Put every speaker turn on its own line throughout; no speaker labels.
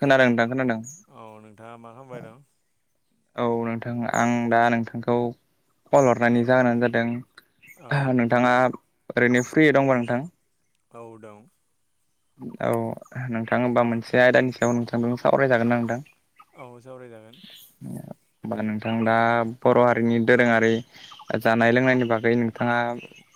खोनादों नोंथां खोनादों।
औ नोंथाङा मा खालामबायदों?
औ नोंथां आं दा नोंथांखौ कल
औ
हरनानै जाहोनानो
औ
जादों नोंथाङा ओरैनो फ्रि दंब नोंथां
औ दं
औ नोंथां होमबा मोनसे आयदानि सायाव नोंथांजों सावरायजागोन ना नोंथां
औ सावरायजागोन।
होमबा नोंथां दा बर' हारिनि दोरोङारि जानाय लोंनायनि बागै नोंथाङा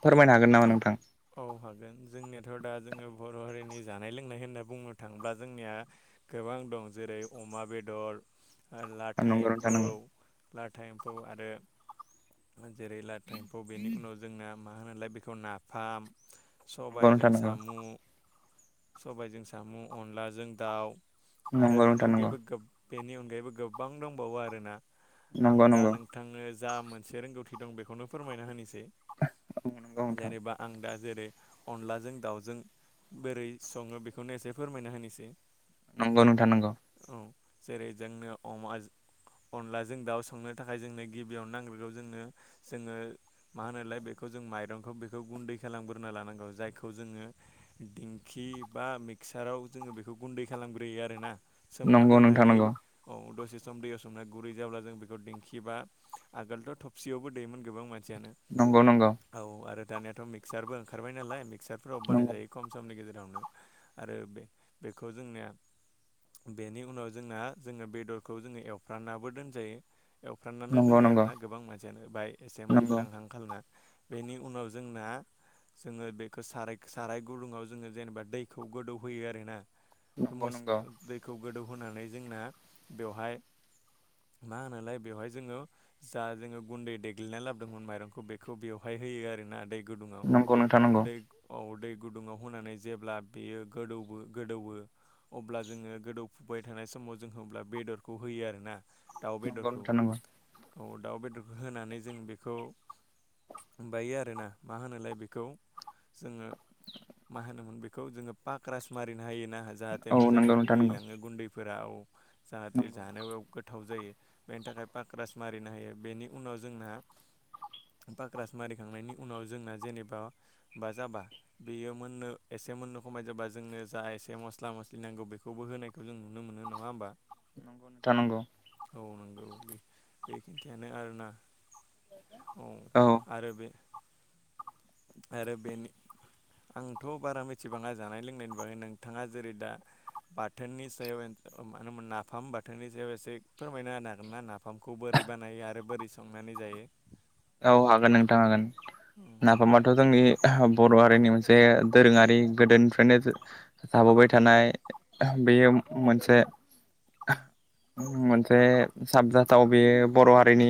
फोरमायनो हागोन नामा नोंथां
औ हागोन जोंनियाथ' दा जोङो बर' हारिनि जानाय लोंनाय होनना बुंनो थाङोब्ला जोंनिया गोबां दं जेरै अमा बेदर लाथा
नंगौ नोंथां
एम्फौ
नंगौ
लाथा एम्फौ आरो जेरै लाथा एम्फौ बेनि उनाव जोंना मा होनलाय बेखौ नाफाम
नंगौ
सबायजों
नोंथां नंगौ
साम' सबायजों साम' अनलाजों दाउ आरो बेनि अनगायैबो बेनि अनगायैबो गोबां दंबावो आरोना
नंगौ
आं दा
नोंथां
नोंथांनो जा मोनसे रोंगौथि दं बेखौनो फोरमायना होनोसै जेनेबा आं दा जेरै अनलाजों दाउजों बोरै सङो बेखौनो एसे फोरमायना होनोसै
नंगौ नोंथां नंगौ
औ जेरै जोंनो अनलाजों दाउ संनो थाखाय जोंनो गिबियावनो नांग्रोगौ जो जोङो मा होनाय बेखौ जों माइरंखौ बेखौ गुन्दै खालामग्रोना लानांगौ जायखौ जोङो दिंखि बा मिक्साराव जोङो बेखौ गुन्दै खालामग्रोयो आरोना
नोंथां
सोमना
नंगौ नोंथां
दोननानै
नंगौ
औ दसे सम दै असनना गुरै जाब्ला जों बेखौ दिंखिबा आगोलथ' थबसियावबो देमोन गोबां मानसि मिथियानो
नंगौ नोंथां
औ आरो दानियााथ' मिक्सारबो ओंखारबाय नालाय मिक्सारफोराव बानाय
नंगौ नंगौ
जायो खम समनि गेजेरावनो आरो बे बेखौ जोंनिया बेनि उनाव जोंना जोङो बेदरखौ जोङो एवफ्रानाबो दोनजायो एवफ्राननानै
नंगौ
दोनो
नंगौ
आरो ना गोबां मानसियानो बाहाय एसे
नंगौ
मोनोद्रां हांखालना बेनि उनाव जोंना जोङो बेखौ साराय साराय गुदुङाव जोङो जेनेबा दैखौ गोदौहोयो आरोना
नंगौ
मस
नंगौ
दैखौ गोदौहोनानै जोंना बेवहाय मा होनलाय बेवहाय जोङो जा जोङो गुन्दै देग्लिनायना लाबोदोंमोन माइरंखौ बेखौ बेवहाय होयो आरोना दै गुदुङाव
नंगौ नोंथां नंगौ
दै औ दै गुदुङाव होनानै जेब्ला बेयो गोदौ गोदौवो अब्ला जोङो गोदौफुबाय थानाय समाव जोंब्ला बेदरखौ होयो आरोना दाउ
नंगौ
बेदरखौ
नोंथां नंगौ
औ दाउ बेदरखौ होनानै जों बेखौ बायो आरोना मा होनोलाय बेखौ जोङो मा होनोमोन बेखौ जोङो पाक राज मारिनो हायो जाहाथे
औ नंगौ
मोजाङै
नोंथां नंगौ
गलिलाङो गुन्दैफोरााव
नंगौ
जाहाथे जानोाव गोथाव जायो बेनि थाखाय पक्रास मारिनो हायो बेनि उनाव जोंना पक्रास मारिखांनायनि उनाव जोंना जेनेबा बा जाबा बेयो मोननो एसे एसे मोननो खमाय जाबा जोंनो जा एसे मस्ला मस्लि नांगौ बेखौबो होनायखौ जों नुनो मोनो नङा होमबा।
नंगौ नोंथां नंगौ।
औ नंगौ बे खिन्थियानो आरोना। औ आरो बे बेनि आंथ' बारा मिथिबाङा जानाय लोंनायनि बागै नोंथाङा जेरै दा बाथोननि सायाव मानो होन नाफाम बाथोननि सायाव एसे फोरमायनो हागोन ना नाफाम नाफामखौ बोरै बानायो आरो बोरै संनानै जायो?
औ हागोन नोंथां हागोन। नाफामाथ' जोंनि बर' हारिनि मोनसे दोरोङारि गोदोनिफ्रायनो
औ
जाबोबाय
नंगौ
थानाय। बेयो मोनसे मोनसे साबजाथाव बेयो बर' हारिनि
औ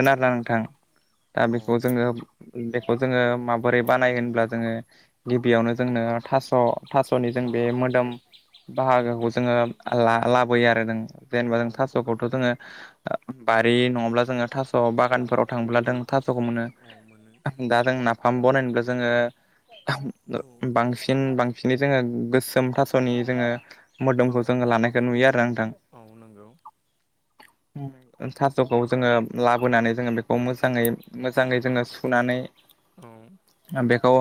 औ
आरोना नोंथां। दा
औ
बेखौ जोङो बेखौ जोङो माबोरै बानाय
औ
होनब्ला जोङो गिबियावनो जोंनो थास' थास'नि जों बे मोदोम बाहागोखौ जोङो लाबोयो। आरो जों जेनेबा
औ
जों
औ
थास'खौथ' जोङो बारि नङाब्ला जोङो थास'
औ
बागान फोराव थांब्ला जों थास'खौ मोनो
मोनो
दा जों नाफाम बानायनोब्ला जोङो
औ
बांसिन बांसिनै जोङो गोसोम थास'नि जोङो मोदोमखौ जोङो
औ
लानायखौ नुयो आरो नोंथां।
औ नंगौ
थास'खौ जोङो लाबोनानै जोङो बेखौ खौ मोजाङै मोजाङै जोङो सुनानै
औ
बेखौ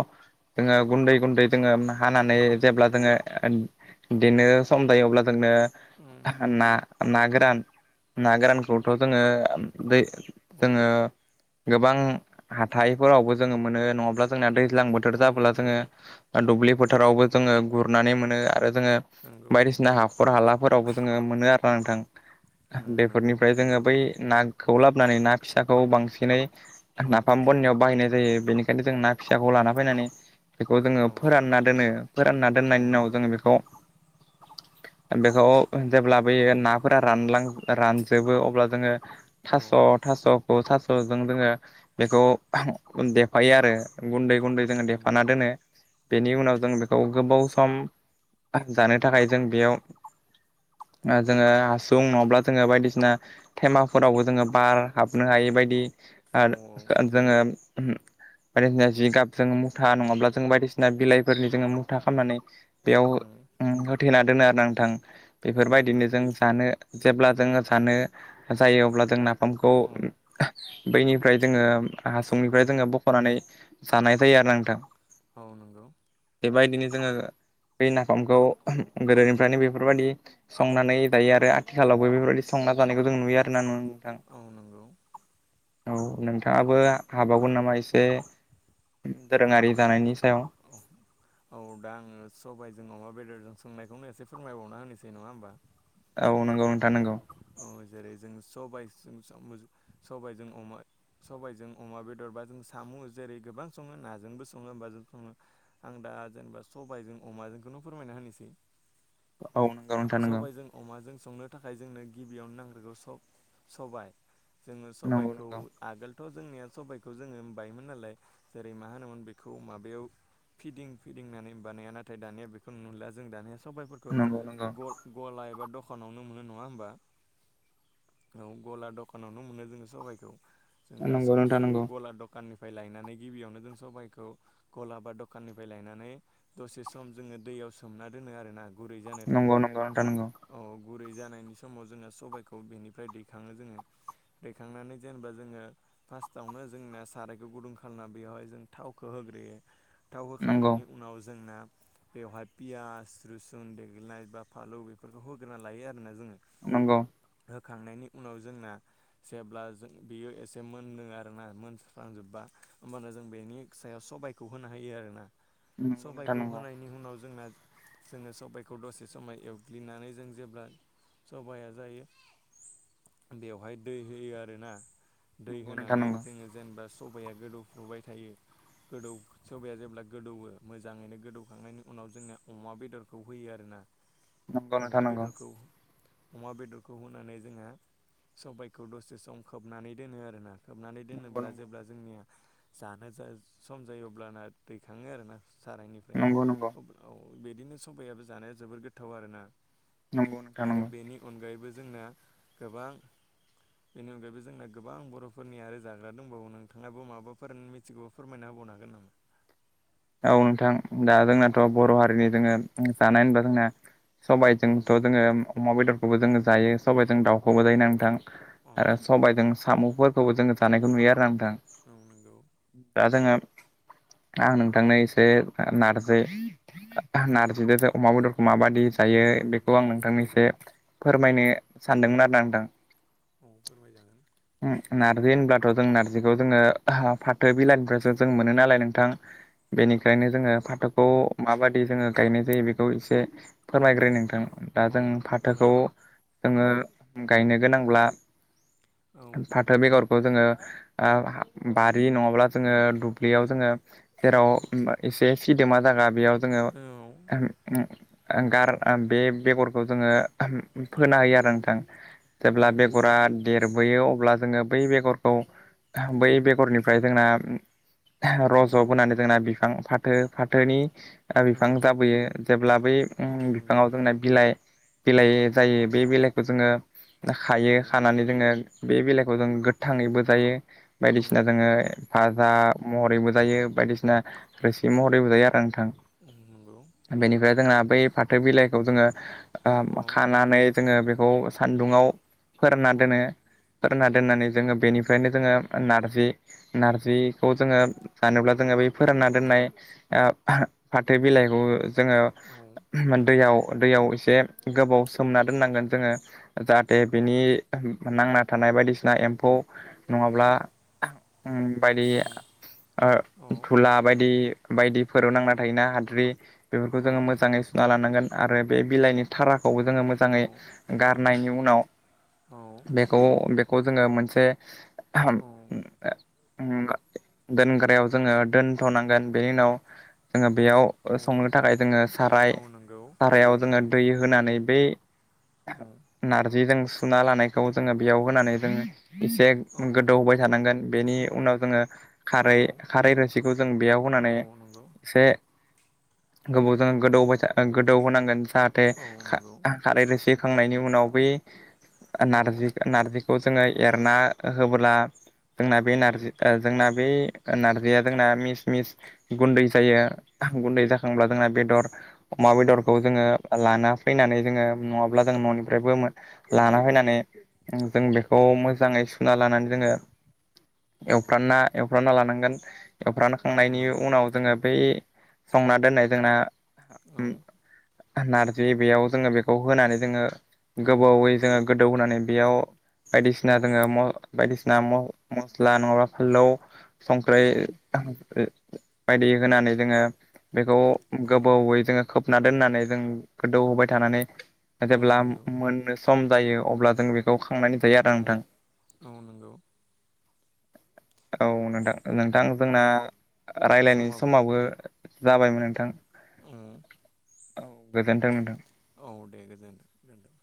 जोङो गुन्दै गुन्दै जोङो हानानै
औ
जेब्ला जोङो बिदिनो सम दायोब्ला जोंनो
औ
ना ना गोरान ना गोरानखौथ' जोङो दै
औ
जोङो गोबां हाथाइफोरावबो जोङो मोनो, नङाब्ला जोंना दै दैज्लां बोथोर
औ
जाबोला
नंगौ
जोङो दुब्लि बोथोरावबो जोङो गुरनानै मोनो। आरो जोङो
नंगौ नंगौ
बायदिसिना हाखर हालाफोरावबो जोङो मोनो आरोना नोंथां।
नंगौ
बेफोरनिफ्राय जोङो बै ना खौ लाबोनानै ना फिसाखौ बांसिनै
औ
नाफाम बनाययाव बाहायनाय जायो। बेनिखायनो जों ना फिसाखौ लाना फैनानै बेखौ जोङो
औ
फोरानना दोनो। फोरानना दोननायनि
औ
उनाव
नंगौ
जोङो बेखौ बेखौ
फोरा औ
जेब्लाबोयो नाफोरा रानलां रानजोबो अब्ला जोङो
औ
थास' थास'खौ थास'जों जोङो बेखौ देफायो आरो। गुन्दै गुन्दै
औ
जोङो देफाना
नंगौ
दोनो। बेनि उनाव जों बेखौ गोबाव सम जानो
औ
थाखाय जों बेयाव जोङो हासुं नङाब्ला जोङो बायदिसिना थेमाफोरावबो जोङो बार हाबनो हायै बायदि दि
औ
आरो जोङो [unintelligible] बायदिसिना जिगाब जोङ मुथा नङाब्ला जो बायदिसिना बिलाइफोरनि जोङो मुथा खालामनानै
ओम
थेना दोनो आरो नोंथां बेफोरबायदिनो जों जानो जेब्ला जोङो जानो जायो अब्ला जों नाफामखौ
औ
बैनिफ्राय जोङो हासुंनिफ्राय जोङो
औ
बख'नानै जानाय जायो आरो नोंथां।
औ नंगौ।
बेबायदिनो जोङो बै नाफामखौ गोदोनिफ्रायनो बेफोरबायदि संनानै दायो आरो आथिखालावबो बेफोरबायदि संना जानायखौ जों नुयो आरो ना नोंथां। औ नोंथाङाबो हाबावगोन नामा एसे
औ
दोरोङारि जानायनि सायाव
औ औ दा आङो सबाइजों अमा बेदर जों सोंनायखौनो एसे फोरमायबावना होनोसै नङा होमबा।
औ नंगौ नोंथा नांगौ।
औ जेरै जों सबायजों साम'जों अमा सबायजों अमा बेदर बा जों साम' जेरै गोबां सङो नाजोंबो सङो बा जों आं दा जेनेबा सबायजों अमाजोंखौनो फोरमायना होनोसै [inaudible]
औ नंगौ नोंथां नंगौ
सबाइजों अमाजों संनो थाखाय जोंनो गिबियावनो नांग्रोगौ स-सबाइ जोङो
नंगौ
सबाइखौ
नंगौ
आगोल जोंनिया सबाइखौ जोङो बायोमोन नालाय जेरै मा होनोमोन बेखौ माबायाव फिदिं फिदिंनानै बानाया नाथाय दानिया बेखौ नुला जों दानिया सबाइफोरखौ
नंगौ
ग-गला एबा दखानावनो मोनो नङा होमबा औ गला दखानावनो मोनो जोङो सबाइखौ जों
नंगौ
दा
नंगौ नोंथां
सबखौ
नंगौ
गला दखाननि फ्राय लायनानै गिबियावनो जों सबायखौ गला बा दखाननिफ्राय लायनानै दसे सम जोङो दै याव सोमना दोनो आरो ना गुरै जानो
नंगौ
थाखाय
नंगौ नोंथां नंगौ।
औ गुरै जानायनि समाव जोङो सबायखौ बेनिफ्राय दैखाङो जोङो रुखांनानै जेनेबा जोङो फार्स्टआवनो जोंना सारायखौ गुदुं खालामना बेवयावहाय जों थावखौ हो गोरोयो थाव
नंगौ
होखांनायनि उनाव जोंना बेवहाय पियास लोसन देग्लिनाय बा फानलु बेफोरखौ होग्रोना लायो आरोना जोङो
नंगौ
होखांनायनि उनाव जोंना जेब्ला जों बियो एसे मोनदों आरोना मोनस्रांजोबबा होमबानो जों बेनि सायाव सबाइखौ होनो हायो आरोना
नंगौ
सबाइखौ
नंगौ
होनायनि उनाव जोंना जोङो सबाइखौ दसे समाय एवग्लिनानै जों जेब्ला सबाया जायो। बेवहाय दै होयो आरोना दै
नंगौ नोंथां
होनानै
नंगौ
जोङो जेनेबा सबाइया गोदौफुबाय थायो गोदौ सबाइया जेब्ला गोदौवो मोजाङैनो गोदौखांनायनि उनाव जोंनिया अमा बेदरखौ होयो आरोना
नंगौ नोंथां नंगौ
अमा
नोंथां
बेदरखौ अमा बेदरखौ होनानै जोङो सबायखौ दसे सम खोबनानै दोनो आरोना खोबनानै
नंगौ
दोनोब्ला जेब्ला जोंनिया जानो सम जायो अब्लाना दैखाङो आरोना सारायनिफ्राय
नंगौ नंगौ
औ बिदिनो सबाइयाबो जानायाव जोबोर गोथाव आरोना
नंगौ नोंथां
आरो
नंगौ
बेनि अनगायैबो जोंना गोबां बेनि अनगायैबो जोंना गोबां बर'फोरनि आरो जाग्रा दंबावो नोंथाङाबो माबाफोर मिथिगौ फोरमायना होबावनो हागोन नामा?
औ नोंथां दा जोंनाथ' बर' हारिनि जोङो जानाय होनबा जोंना सबायजोंथ' जोङो अमा बेदरखौबो जोङो जायो सबाइजों दाउखौबो जायो नांथां।
औ
आरो
नंगौ
सबायजों साम'फोरखौबो जोङो जानायखौ नुयो आरो
औ नंगौ
आं जोङो आं थां नों इसे नारजैय नार जि
औ
अमा बेदरखौ माबायदि
औ
जायो
औ
बेखौ आं
नंगौ
नोंथांनि एसे
फोरमायजागोन
फोरमायनो सानदोंमोन आरो ना नोंथां।
औ फोरमाय जागोन।
नारजि होनब्लाथ' जों नार्जिखौ जोङो फाथो बिलाइनिफ्रायसो जों मोनो नालाय नोंथां
औ
बेनिखायनो जोङो
नंगौ
फाथोखौ माबायदि जोङो गायनाय जायो बेखौ एसे
औ
फोरमायग्रो नोंथां दा
औ
जों फाथोखौ
फोरमायलाय
जोङो गायनो गोनांब्ला
औ
फाथो बेगर खौ जोङो बारि नङाब्ला जोङो दुब्लियाव जोङो जेराव
औ
एसे सिदोमा जायगा बेयाव जोङो
औ
गार बे बेगरखौ जोङो फोना होयो आरो नोंथां
औ
जेब्ला
नंगौ
बेगरा देरबोयो। अब्ला जोङो बै बेगरखौ
औ
बै बेगरनिफ्राय जोंना रज'
औ
बोनानै जोंना बिफां फाथो-फाथोनि
औ
बिफां जाबोयो जेब्ला बै
औ नंगौ
बिफाङाव जोंना बिलाइ बिलाइ जायो बे बिलाइखौ जोङो
औ
खायो खानानै जोङो बे बेलाइखौ जों गोथाङैबो जायो
औ
बायदिसिना जोङो
नंगौ
फाजा महरैबो जायो बायदिसिना रोसि महरैबो जायो आरो
औ नंगौ
बेनिफ्राय जोंना बै फाथो बिलाइखौ जोङो
औ
खानानै जोङो बेखौ सानदुंआव फोरानना
औ
दोनो दना दोननानै जोङो बेनिफ्रायनो
औ
जोङो नारजि नारजिखौ जोङो
औ
सानब्ला जों बै फोरानना दोननाय फाथो बिलाइखौ जोङो दैयाव दैयाव एसे गोबाव सोमना दोननांगोन जोङो जाहाथे बिनि नांना थानाय बायदिसिना एम्फौ नङाब्ला बायदि धुला बायदि बायदिफोराव नांना थायोना हाद्रि बेफोरखौ जोङो मोजाङै सुना लानांगोन आरो बे बिलाइनि थाराग खौबो जोङो मोजाङै गारनायनि उनाव
औ
बेखौ खौ जोङो मोनसे
औ
दोनग्रायाव जोङो दोनथ'नांगोन बेनि उनाव जोङो बेयाव संनो थाखाय जोङो साराय
नंगौ
सारायाव जोङो दै होनानै बै
औ
नारजिजों सुना लानायखौ जोङो बेयाव होनानै जोङो एसे
औ
गोदौहोबाय थानांगोन बेनि उनाव जोङो खारै
औ
खारै रोसिखौ जों बेयाव होनानै
औ नंगौ
एसे गोबावजों गोदौ गोदौ होनांगोन जाहाथे
औ नंगौ
खारै रोसि होखांनायनि उनाव बै
औ नंगौ औ
नारजि नार्जिखौ जोङो एरना होबोला
औ
जोंना बे नारजि जोंना बे नारजिया जोंना मिस मिस गुन्दै जायो गुन्दै जाख सब्ला जोंना बेदर अमा बेदरखौ जोङो लाना फैनानै जोङो नङाब्ला जों
औ
न'निफ्रायबो लाना फैनानै जों बेखौ मोजाङै सुना लानानै जोङो एवफ्रानना एवफ्रानना लानांगोन
औ
एवफ्रानखांनायनि
नंगौ
उनाव जोङो बै संना दोननाय जोंना
औ
नारजि बेयाव जोङो बेखौ होनानै जोङो गोबावै जोङो गोदौ होनानै बेयाव बायदिसिना जोङो बायदिसिना ना मस्ला नङाबा फानलौ संख्रि बायदि होनानै जोङो बेखौ
औ
गोबावै जोङो खोबना दोननानै जों गोदौहाय थानानै
औ
जेब्ला
नंगौ
मोननो सम जायो अब्ला जों बेखौ खांनानै जायो आरो
औ
नोंथां
औ नंगौ
औ
दे
नोंथां नोंथां जोंना राय्लायनाय
समाबो
समावबो जाबायमोन नोंथां
[inaudible]
औ गोजोनथों नोंथां
औ दे गोजोन्थों